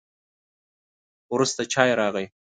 وروسته چای راغی.